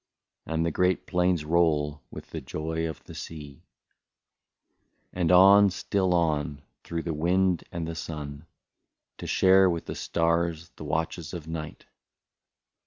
And the great plains roll with the joy of the sea : iSi ' And on, still on, through the wind and the sun, To share with the stars the watches of night.